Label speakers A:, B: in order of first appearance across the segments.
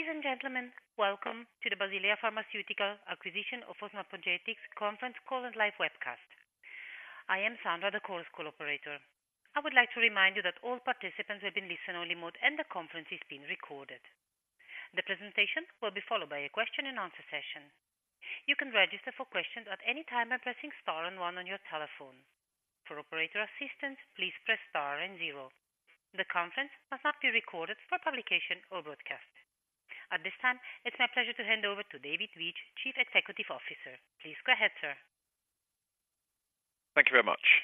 A: Ladies and gentlemen, welcome to the Basilea Pharmaceutica Acquisition of Fosmanogepix Conference Call and live webcast. I am Sandra, the call's call operator. I would like to remind you that all participants have been listen-only mode, and the conference is being recorded. The presentation will be followed by a question and answer session. You can register for questions at any time by pressing star and one on your telephone. For operator assistance, please press star and zero. The conference must not be recorded for publication or broadcast. At this time, it's my pleasure to hand over to David Veitch, Chief Executive Officer. Please go ahead, sir.
B: Thank you very much.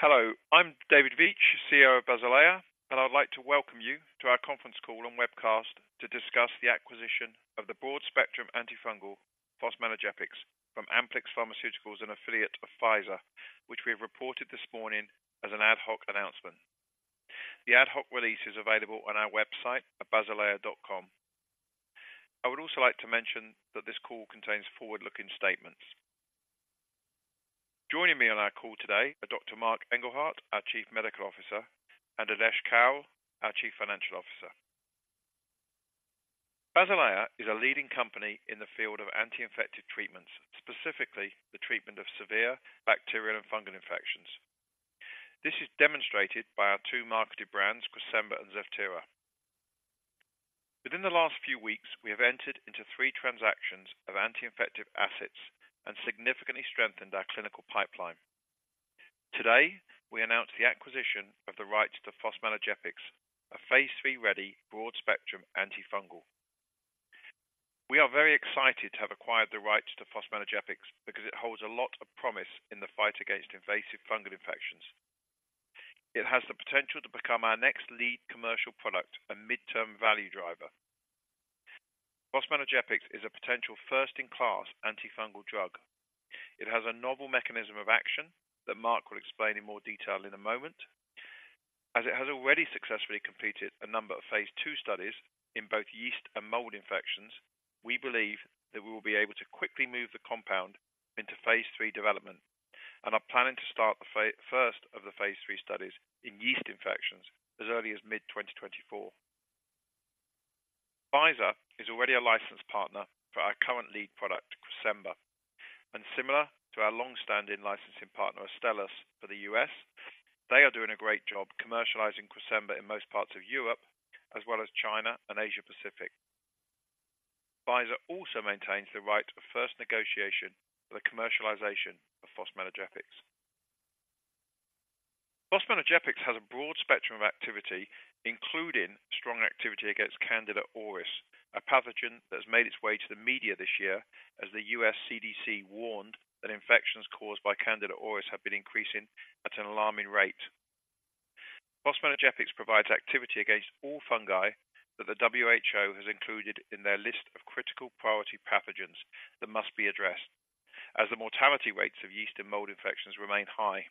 B: Hello, I'm David Veitch, CEO of Basilea, and I'd like to welcome you to our conference call and webcast to discuss the acquisition of the broad-spectrum antifungal, fosmanogepix, from Amplyx Pharmaceuticals, an affiliate of Pfizer, which we have reported this morning as an ad hoc announcement. The ad hoc release is available on our website at basilea.com. I would also like to mention that this call contains forward-looking statements. Joining me on our call today are Dr. Marc Engelhardt, our Chief Medical Officer, and Adesh Kaul, our Chief Financial Officer. Basilea is a leading company in the field of anti-infective treatments, specifically the treatment of severe bacterial and fungal infections. This is demonstrated by our two marketed brands, Cresemba and Zevtera. Within the last few weeks, we have entered into three transactions of anti-infective assets and significantly strengthened our clinical pipeline. Today, we announce the acquisition of the rights to fosmanogepix, a phase III-ready broad-spectrum antifungal. We are very excited to have acquired the rights to fosmanogepix because it holds a lot of promise in the fight against invasive fungal infections. It has the potential to become our next lead commercial product, a midterm value driver. fosmanogepix is a potential first-in-class antifungal drug. It has a novel mechanism of action that Mark will explain in more detail in a moment. As it has already successfully completed a number of phase II studies in both yeast and mold infections, we believe that we will be able to quickly move the compound into phase III development and are planning to start the first of the phase III studies in yeast infections as early as mid-2024. Pfizer is already a licensed partner for our current lead product, Cresemba, and similar to our long-standing licensing partner, Astellas, for the U.S., they are doing a great job commercializing Cresemba in most parts of Europe as well as China and Asia Pacific. Pfizer also maintains the right of first negotiation for the commercialization of fosmanogepix. fosmanogepix has a broad spectrum of activity, including strong activity against Candida auris, a pathogen that has made its way to the media this year, as the U.S. CDC warned that infections caused by Candida auris have been increasing at an alarming rate. fosmanogepix provides activity against all fungi that the WHO has included in their list of critical priority pathogens that must be addressed, as the mortality rates of yeast and mold infections remain high.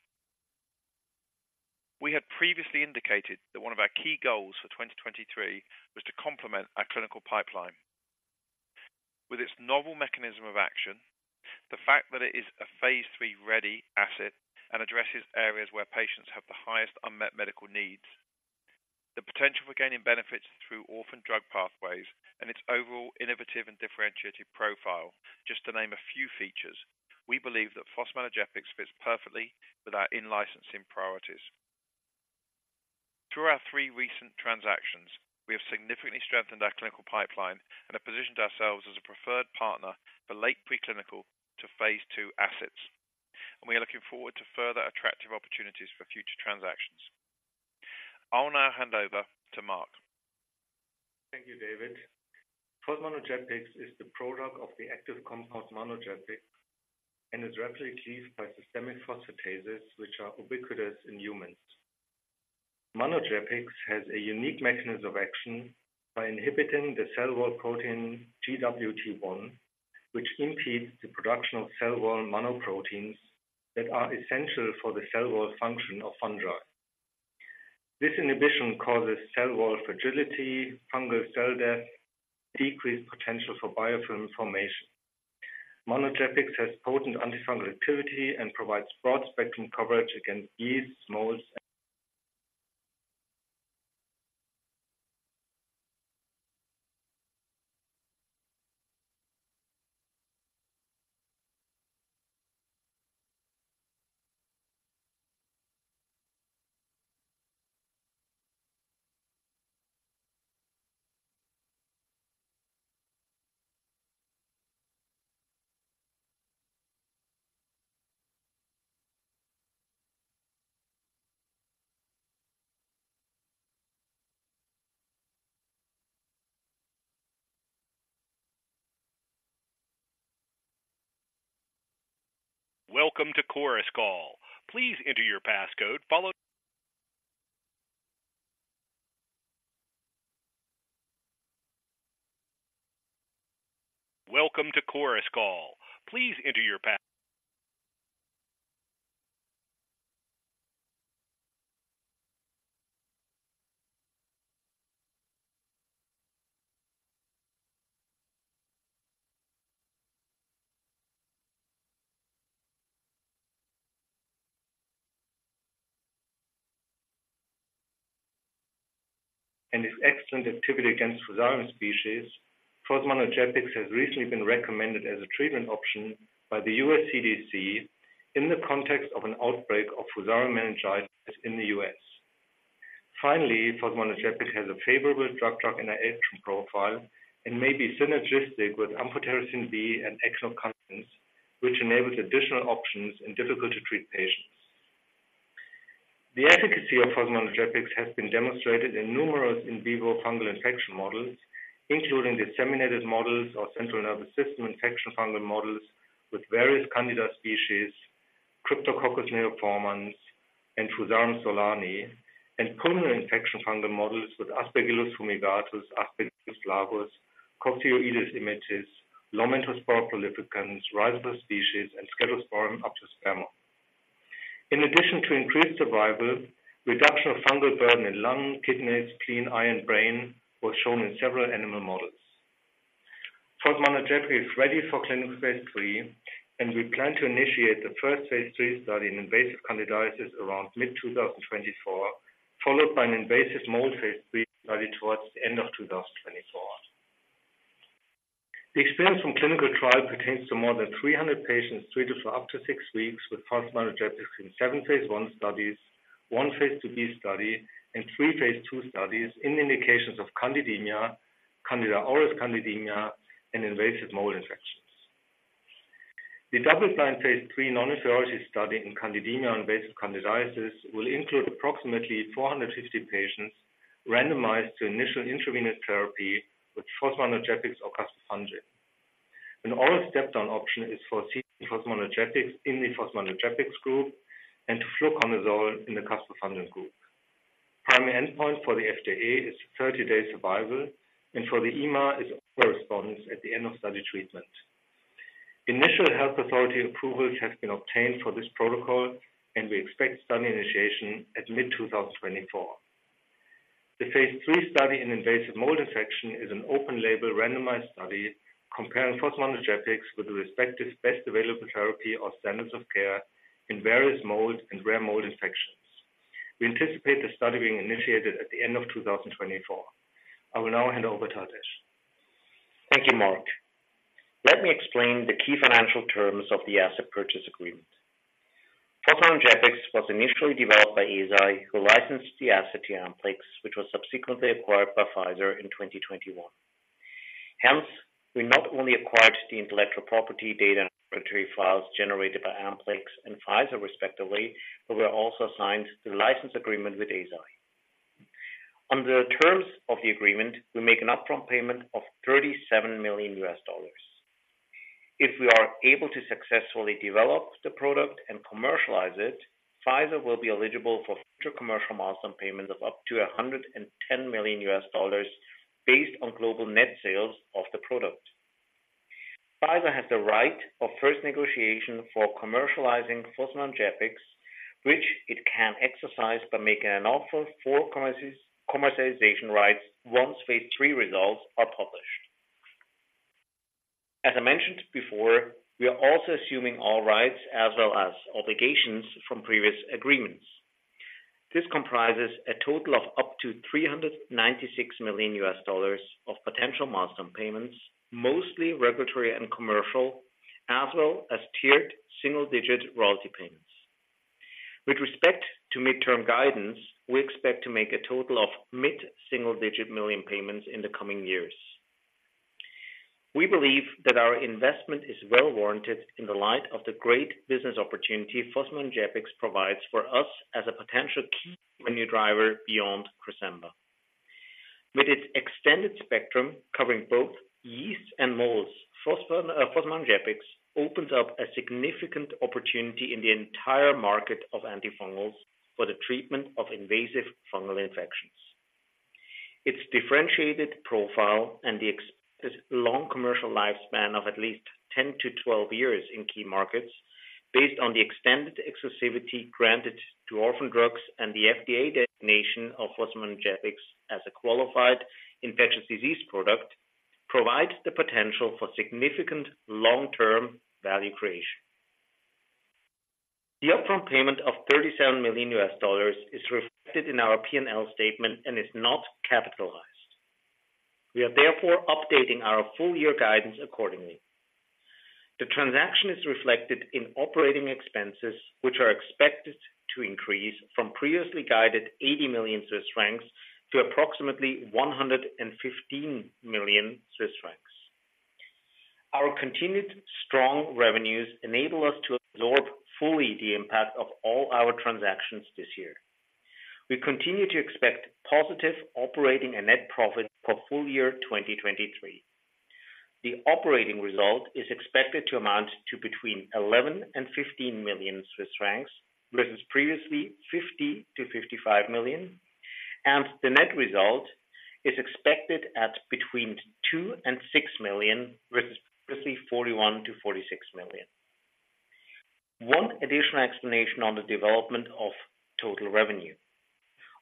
B: We had previously indicated that one of our key goals for 2023 was to complement our clinical pipeline. With its novel mechanism of action, the fact that it is a phase III-ready asset and addresses areas where patients have the highest unmet medical needs, the potential for gaining benefits through orphan drug pathways and its overall innovative and differentiated profile, just to name a few features, we believe that fosmanogepix fits perfectly with our in-licensing priorities. Through our three recent transactions, we have significantly strengthened our clinical pipeline and have positioned ourselves as a preferred partner for late preclinical to phase II assets, and we are looking forward to further attractive opportunities for future transactions. I'll now hand over to Marc.
C: Thank you, David. fosmanogepix is the prodrug of the active compound, manogepix, and is rapidly cleaved by systemic phosphatases, which are ubiquitous in humans. Manogepix has a unique mechanism of action by inhibiting the cell wall protein Gwt1, which impedes the production of cell wall mannoproteins that are essential for the cell wall function of fungi. This inhibition causes cell wall fragility, fungal cell death, decreased potential for biofilm formation. Manogepix has potent antifungal activity and provides broad-spectrum coverage against yeasts, molds, and-
D: Welcome to Chorus Call. Please enter your passcode, followed... Welcome to Chorus Call. Please enter your pass-...
C: Its excellent activity against Fusarium species, fosmanogepix has recently been recommended as a treatment option by the U.S. CDC in the context of an outbreak of Fusarium meningitis in the U.S. Finally, fosmanogepix has a favorable drug-drug interaction profile and may be synergistic with Amphotericin B and echinocandins, which enables additional options in difficult-to-treat patients. The efficacy of fosmanogepix has been demonstrated in numerous in vivo fungal infection models, including disseminated models or central nervous system infection fungal models with various Candida species, Cryptococcus neoformans, and Fusarium solani, and pulmonary infection fungal models with Aspergillus fumigatus, Aspergillus flavus, Coccidioides immitis, Lomentospora prolificans, Rhizopus species, and Scedosporium apiospermum. In addition to increased survival, reduction of fungal burden in lungs, kidneys, eyes, and brain was shown in several animal models. fosmanogepix is ready for clinical phase III, and we plan to initiate the first phase III study in invasive candidiasis around mid-2024, followed by an invasive mold phase III study towards the end of 2024. The experience from clinical trial pertains to more than 300 patients treated for up to 6 weeks, with fosmanogepix in 7 phase I studies, I phase IIB study, and III phase II studies in indications of candidemia, Candida auris, candidemia, and invasive mold infections. The double-blind phase III non-inferiority study in candidemia and invasive candidiasis will include approximately 450 patients randomized to initial intravenous therapy with fosmanogepix or caspofungin. An oral step-down option is for fosmanogepix in the fosmanogepix group and fluconazole in the caspofungin group. Primary endpoint for the FDA is 30-day survival, and for the EMA is correspondence at the end of study treatment. Initial health authority approvals have been obtained for this protocol, and we expect study initiation at mid-2024. The phase III study in invasive mold infection is an open-label, randomized study comparing fosmanogepix with the respective best available therapy or standards of care in various mold and rare mold infections. We anticipate the study being initiated at the end of 2024. I will now hand over to Adesh.
E: Thank you, Marc. Let me explain the key financial terms of the asset purchase agreement. fosmanogepix was initially developed by Eisai, who licensed the asset to Amplyx, which was subsequently acquired by Pfizer in 2021. Hence, we not only acquired the intellectual property data and regulatory files generated by Amplyx and Pfizer respectively, but we are also assigned the license agreement with Eisai. Under the terms of the agreement, we make an upfront payment of $37 million. If we are able to successfully develop the product and commercialize it, Pfizer will be eligible for future commercial milestone payments of up to $110 million, based on global net sales of the product. Pfizer has the right of first negotiation for commercializing fosmanogepix, which it can exercise by making an offer for commercialization rights once phase III results are published. As I mentioned before, we are also assuming all rights as well as obligations from previous agreements. This comprises a total of up to $396 million of potential milestone payments, mostly regulatory and commercial, as well as tiered single-digit royalty payments. With respect to midterm guidance, we expect to make a total of mid-single-digit million payments in the coming years. We believe that our investment is well warranted in the light of the great business opportunity fosmanogepix provides for us as a potential key revenue driver beyond Cresemba. With its extended spectrum, covering both yeast and molds, fosmanogepix opens up a significant opportunity in the entire market of antifungals for the treatment of invasive fungal infections. Its differentiated profile and the expected long commercial lifespan of at least 10-12 years in key markets, based on the extended exclusivity granted to orphan drugs and the FDA designation of fosmanogepix as a qualified infectious disease product, provides the potential for significant long-term value creation. The upfront payment of $37 million is reflected in our P&L statement and is not capitalized. We are therefore updating our full year guidance accordingly. The transaction is reflected in operating expenses, which are expected to increase from previously guided 80 million Swiss francs to approximately 115 million Swiss francs. Our continued strong revenues enable us to absorb fully the impact of all our transactions this year. We continue to expect positive operating and net profit for full year 2023. The operating result is expected to amount to between 11 million and 15 million Swiss francs, versus previously 50 million-55 million, and the net result is expected at between 2 million and 6 million, versus previously 41 million-46 million. One additional explanation on the development of total revenue.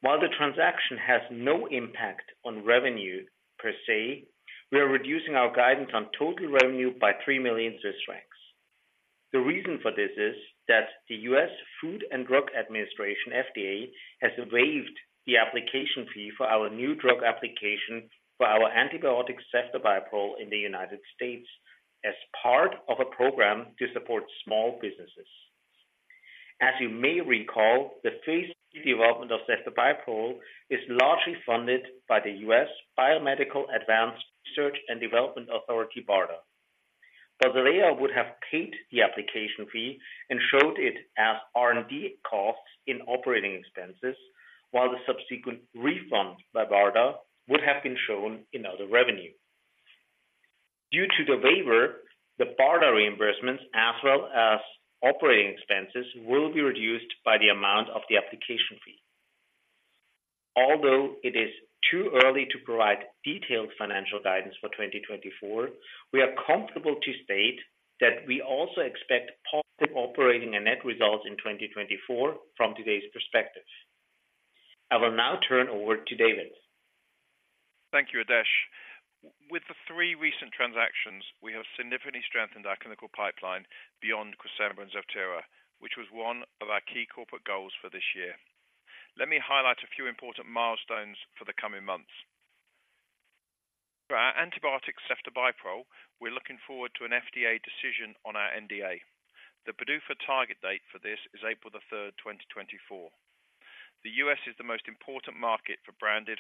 E: While the transaction has no impact on revenue per se, we are reducing our guidance on total revenue by 3 million Swiss francs. The reason for this is that the U.S. Food and Drug Administration, FDA, has waived the application fee for our new drug application for our antibiotic, ceftobiprole, in the United States as part of a program to support small businesses. As you may recall, the phase development of ceftobiprole is largely funded by the U.S. Biomedical Advanced Research and Development Authority, BARDA. But they would have paid the application fee and showed it as R&D costs in operating expenses, while the subsequent refund by BARDA would have been shown in other revenue. Due to the waiver, the BARDA reimbursements, as well as operating expenses, will be reduced by the amount of the application fee. Although it is too early to provide detailed financial guidance for 2024, we are comfortable to state that we also expect positive operating and net results in 2024 from today's perspective. I will now turn over to David.
B: Thank you, Adesh. With the three recent transactions, we have significantly strengthened our clinical pipeline beyond Cresemba and Zevtera, which was one of our key corporate goals for this year. Let me highlight a few important milestones for the coming months. For our antibiotic, ceftobiprole, we're looking forward to an FDA decision on our NDA. The PDUFA target date for this is April the third, 2024. The U.S. is the most important market for branded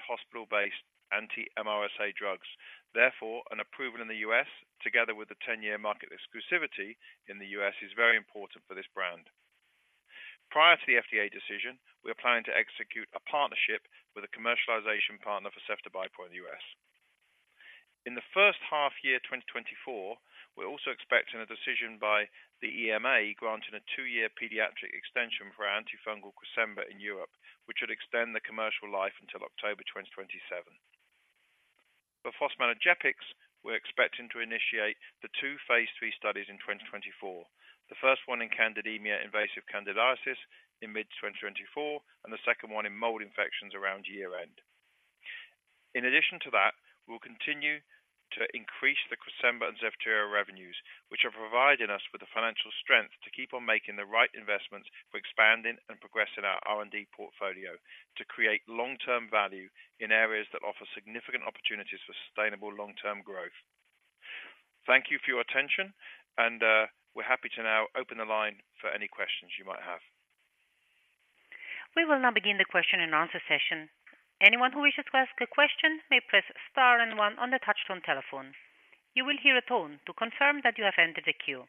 B: hospital-based anti-MRSA drugs. Therefore, an approval in the U.S., together with the 10-year market exclusivity in the U.S., is very important for this brand. Prior to the FDA decision, we are planning to execute a partnership with a commercialization partner for ceftobiprole in the U.S. In the first half year, 2024, we're also expecting a decision by the EMA, granting a two-year pediatric extension for our antifungal Cresemba .n Europe, which would extend the commercial life until October 2027. For fosmanogepix, we're expecting to initiate the two phase III studies in 2024. The first one in candidemia invasive candidiasis in mid-2024, and the second one in mold infections around year-end. In addition to that, we'll continue to increase the Cresemba and Zevtera revenues, which are providing us with the financial strength to keep on making the right investments for expanding and progressing our R&D portfolio to create long-term value in areas that offer significant opportunities for sustainable long-term growth. Thank you for your attention, and we're happy to now open the line for any questions you might have.
A: We will now begin the question and answer session. Anyone who wishes to ask a question may press star and one on the touchtone telephone. You will hear a tone to confirm that you have entered the queue.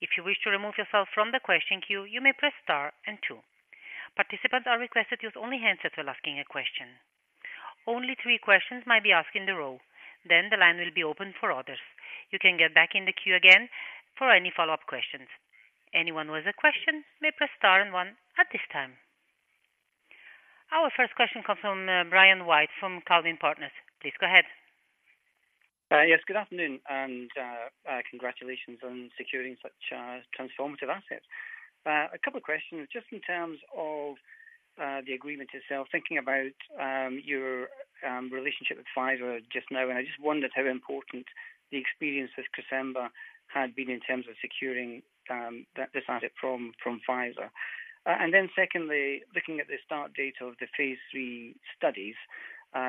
A: If you wish to remove yourself from the question queue, you may press star and two. Participants are requested to use only handsets when asking a question. Only three questions might be asked in a row, then the line will be open for others. You can get back in the queue again for any follow-up questions. Anyone with a question may press star and one at this time. Our first question comes from Brian White, from Galvin Partners. Please go ahead.
F: Yes, good afternoon, and congratulations on securing such transformative assets. A couple of questions, just in terms of the agreement itself, thinking about your relationship with Pfizer just now, and I just wondered how important the experience of Cresemba had been in terms of securing this asset from Pfizer. And then secondly, looking at the start date of the phase III studies,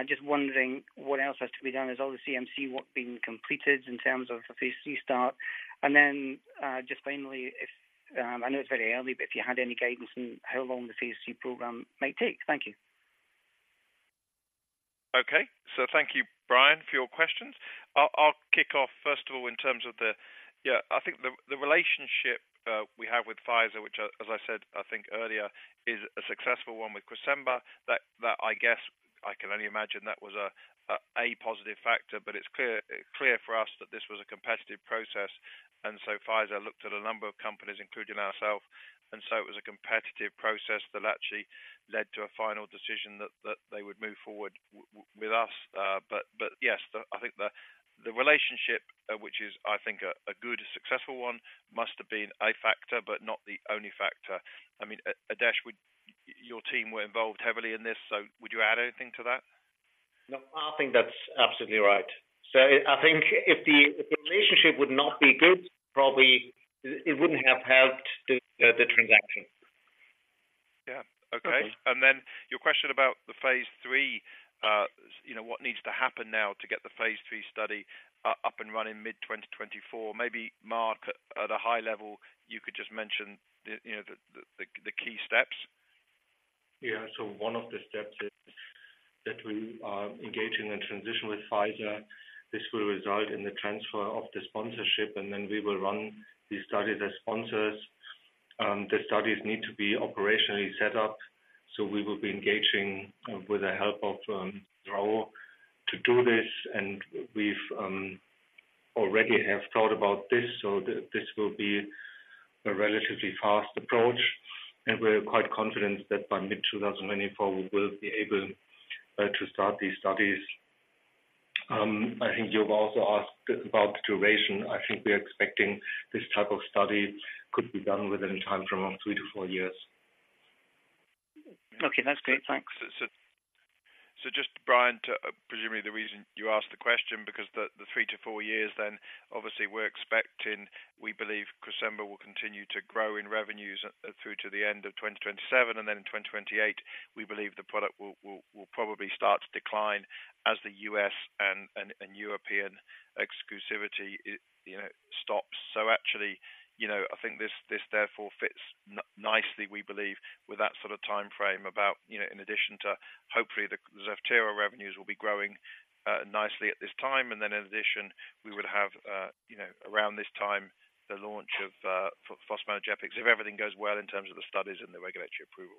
F: just wondering what else has to be done. Has all the CMC work been completed in terms of the phase III start? And then just finally, if I know it's very early, but if you had any guidance on how long the phase III program may take. Thank you.
B: Okay. So thank you, Brian, for your questions. I'll kick off, first of all, in terms of the... Yeah, I think the relationship we have with Pfizer, which as I said, I think earlier, is a successful one with Cresemba, that I guess I can only imagine that was a positive factor, but it's clear for us that this was a competitive process, and so Pfizer looked at a number of companies, including ourselves, and so it was a competitive process that actually led to a final decision that they would move forward with us. But yes, I think the relationship, which is, I think, a good successful one, must have been a factor, but not the only factor. I mean, Adesh, would... Your team were involved heavily in this, so would you add anything to that?
E: No, I think that's absolutely right. So I think if the relationship would not be good, probably it wouldn't have helped the transaction.
B: Yeah. Okay.
E: Okay.
B: Your question about the phase III, you know, what needs to happen now to get the phase III study up and running mid-2024, maybe. Marc, at a high level, you could just mention, you know, the key steps.
C: Yeah. So one of the steps is that we are engaging in transition with Pfizer. This will result in the transfer of the sponsorship, and then we will run the study as sponsors. The studies need to be operationally set up, so we will be engaging with the help of [Raul] to do this, and we've already have thought about this, so this will be a relatively fast approach, and we're quite confident that by mid-2024, we will be able to start these studies. I think you've also asked about the duration. I think we are expecting this type of study could be done within a time frame of 3-4 years. ...
F: Okay, that's great. Thanks.
B: So, just Brian, to presumably the reason you asked the question, because the 3-4 years, then obviously we're expecting, we believe Cresemba will continue to grow in revenues through to the end of 2027, and then in 2028, we believe the product will, will, will probably start to decline as the U.S. and European exclusivity, you know, stops. So actually, you know, I think this, this therefore fits nicely, we believe, with that sort of timeframe about, you know, in addition to hopefully the Zevtera revenues will be growing nicely at this time. And then in addition, we would have, you know, around this time, the launch of fosmanogepix, if everything goes well in terms of the studies and the regulatory approval.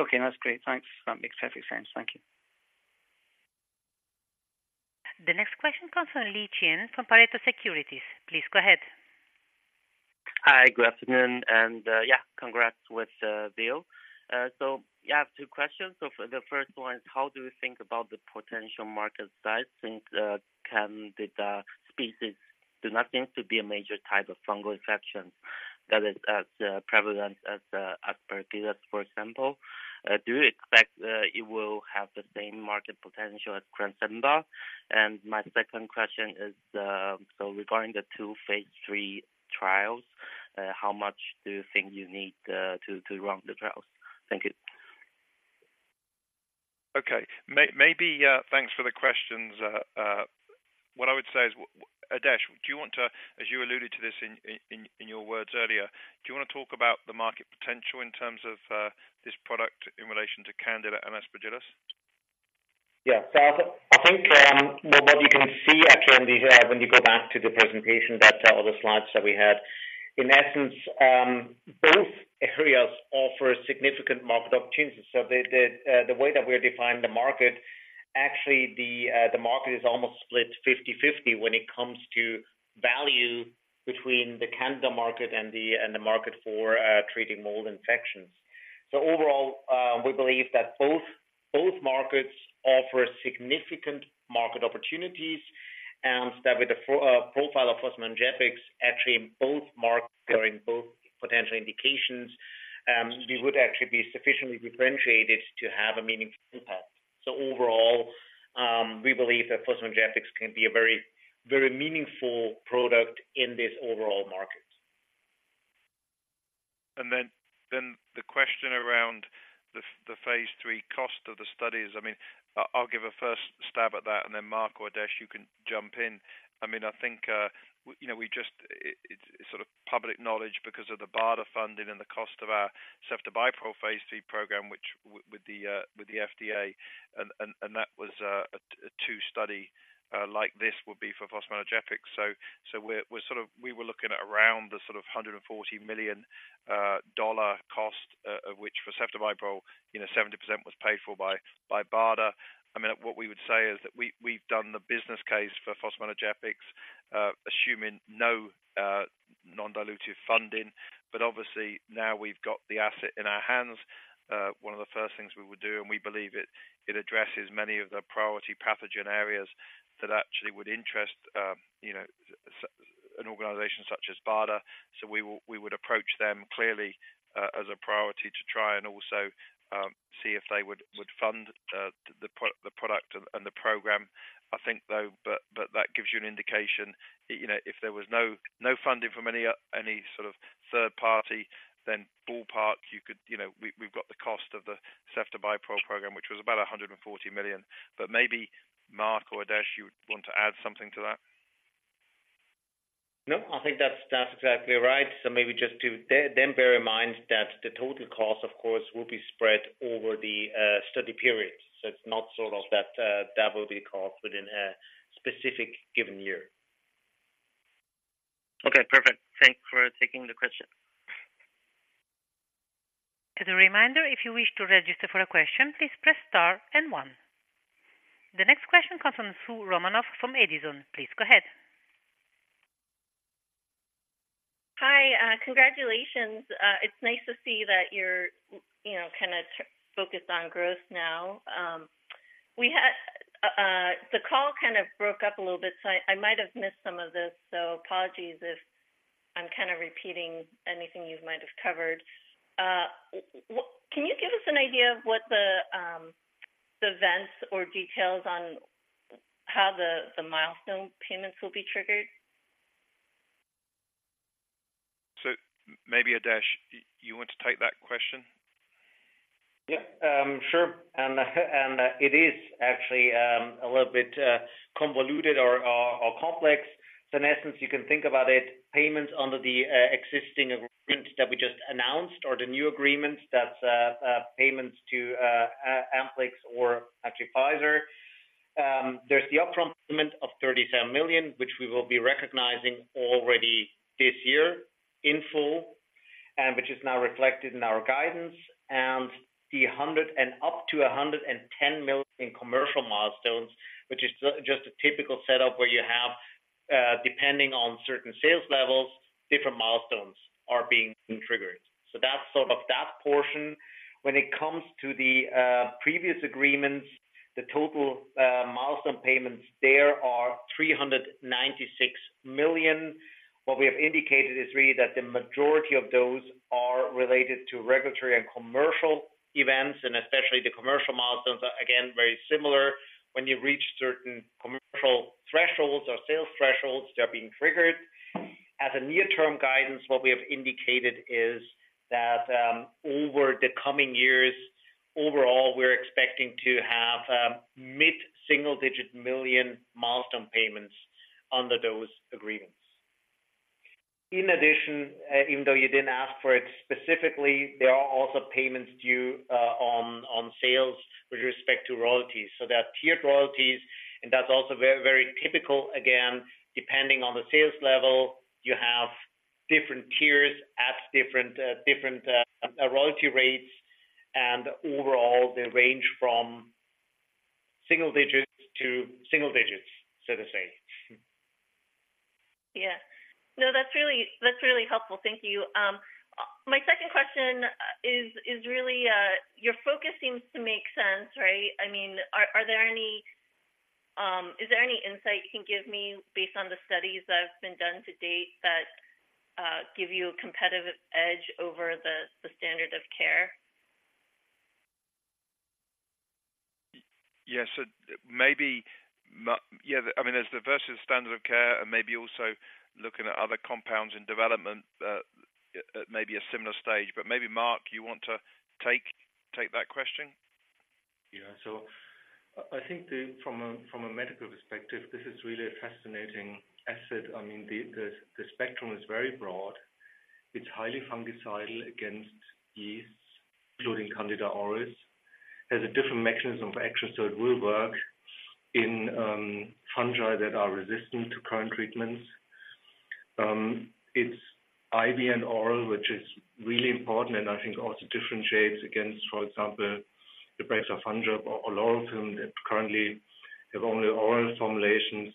F: Okay, that's great. Thanks. That makes perfect sense. Thank you.
A: The next question comes from Lee Chien from Pareto Securities. Please go ahead.
G: Hi, good afternoon, and yeah, congrats with deal. So yeah, I have two questions. So the first one is, how do you think about the potential market size since Candida species do not seem to be a major type of fungal infection that is as prevalent as Aspergillus, for example. Do you expect it will have the same market potential as Cresemba? And my second question is, so regarding the two phase III trials, how much do you think you need to run the trials? Thank you.
B: Okay. Maybe thanks for the questions. What I would say is, Adesh, do you want to, as you alluded to this in your words earlier, do you want to talk about the market potential in terms of this product in relation to Candida and Aspergillus?
E: Yeah. So I think, well, but you can see actually, when you go back to the presentation, that, all the slides that we had. In essence, both areas offer significant market opportunities. So the way that we define the market, actually, the market is almost split 50/50 when it comes to value between the Candida market and the market for treating mold infections. So overall, we believe that both markets offer significant market opportunities, and that with the profile of fosmanogepix, actually in both markets, during both potential indications, we would actually be sufficiently differentiated to have a meaningful impact. So overall, we believe that fosmanogepix can be a very, very meaningful product in this overall market.
B: Then the question around the phase III cost of the studies. I mean, I'll give a first stab at that, and then Marc or Adesh, you can jump in. I mean, I think, you know, we just, it, it's sort of public knowledge because of the Barda funding and the cost of our ceftobiprole phase III program, which with the FDA, and that was a two-study, like this would be for fosmanogepix. So we're sort of we were looking at around the sort of $140 million cost, of which for ceftobiprole, you know, 70% was paid for by Barda. I mean, what we would say is that we, we've done the business case for fosmanogepix, assuming no, non-dilutive funding, but obviously now we've got the asset in our hands. One of the first things we would do, and we believe it, it addresses many of the priority pathogen areas that actually would interest, you know, an organization such as BARDA. So we would, we would approach them clearly, as a priority to try and also, see if they would, would fund, the product and, and the program. I think, though, but, but that gives you an indication, you know, if there was no, no funding from any, any sort of third party, then ballpark, you could, you know, we've, we've got the cost of the ceftobiprole program, which was about 140 million. But maybe Marc or Adesh, you would want to add something to that.
E: No, I think that's, that's exactly right. So maybe just to then, then bear in mind that the total cost, of course, will be spread over the study period. So it's not sort of that, that will be caught within a specific given year.
G: Okay, perfect. Thanks for taking the question.
A: As a reminder, if you wish to register for a question, please press star and one. The next question comes from Soo Romanoff from Edison. Please go ahead.
H: Hi, congratulations. It's nice to see that you're, you know, kinda focused on growth now. We had the call kind of broke up a little bit, so I might have missed some of this, so apologies if I'm kind of repeating anything you might have covered. Can you give us an idea of what the events or details on how the milestone payments will be triggered?
B: Maybe, Adesh, you want to take that question?
E: Yeah, sure. And it is actually a little bit convoluted or complex. So in essence, you can think about it, payments under the existing agreement that we just announced, or the new agreements, that's payments to Amplyx or actually Pfizer. There's the upfront payment of $37 million, which we will be recognizing already this year in full, and which is now reflected in our guidance and the $100 million up to $110 million in commercial milestones, which is just a typical setup where you have, depending on certain sales levels, different milestones are being triggered. So that's sort of that portion. When it comes to the previous agreements. The total milestone payments there are $396 million. What we have indicated is really that the majority of those are related to regulatory and commercial events, and especially the commercial milestones are, again, very similar. When you reach certain commercial thresholds or sales thresholds, they're being triggered. As a near-term guidance, what we have indicated is that, over the coming years, overall, we're expecting to have, mid-single-digit million CHF milestone payments under those agreements. In addition, even though you didn't ask for it specifically, there are also payments due, on, on sales with respect to royalties. So there are tiered royalties, and that's also very, very typical. Again, depending on the sales level, you have different tiers at different, different, royalty rates, and overall, they range from single digits to single digits, so to say.
H: Yeah. No, that's really, that's really helpful. Thank you. My second question is really your focus seems to make sense, right? I mean, are there any is there any insight you can give me based on the studies that have been done to date that give you a competitive edge over the standard of care?
B: Yes. So maybe, yeah, I mean, there's the versus standard of care and maybe also looking at other compounds in development that may be a similar stage, but maybe, Marc, you want to take, take that question?
C: Yeah. So I think from a medical perspective, this is really a fascinating asset. I mean, the spectrum is very broad. It's highly fungicidal against yeasts, including Candida auris. Has a different mechanism of action, so it will work in fungi that are resistant to current treatments. It's IV and oral, which is really important, and I think also differentiates against, for example, rezafungin or olorofim, that currently have only oral formulations.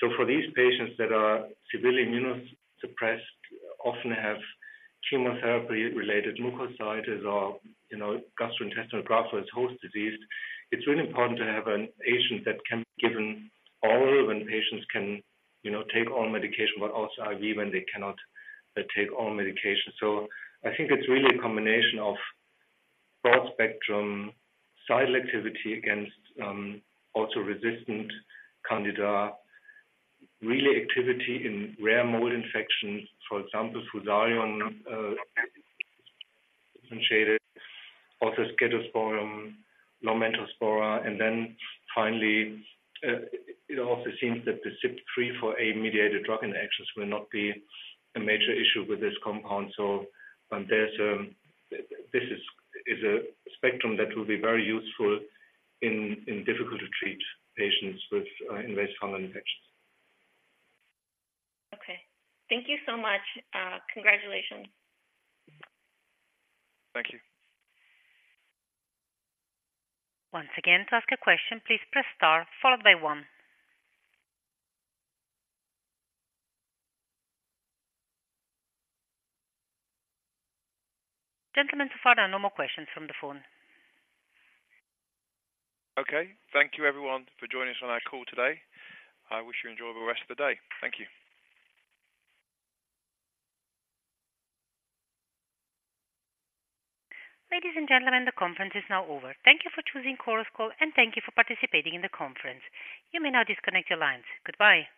C: So for these patients that are severely immunosuppressed, often have chemotherapy-related mucositis or, you know, gastrointestinal graft versus host disease, it's really important to have an agent that can be given oral, when patients can, you know, take oral medication, but also IV, when they cannot take oral medication. So I think it's really a combination of broad-spectrum cidal activity against also resistant Candida, really activity in rare mold infections, for example, Fusarium, differentiated, also Scedosporium, Lomentospora. And then finally, it also seems that the CYP3A4-mediated drug interactions will not be a major issue with this compound. So this is a spectrum that will be very useful in difficult to treat patients with invasive fungal infections.
H: Okay. Thank you so much. Congratulations.
B: Thank you.
A: Once again, to ask a question, please press Star followed by one. Gentlemen, so far, there are no more questions from the phone.
B: Okay. Thank you, everyone, for joining us on our call today. I wish you enjoyable rest of the day. Thank you.
A: Ladies and gentlemen, the conference is now over. Thank you for choosing Chorus Call, and thank you for participating in the conference. You may now disconnect your lines. Goodbye.